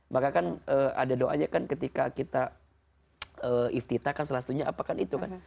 maka kan ada doanya kan ketika kita iftitakan salah satunya apa kan itu kan